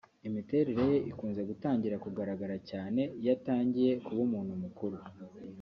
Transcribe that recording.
Imiterere ye ikunze gutangira kugaragara cyane iyo atangiye kuba umuntu mukuru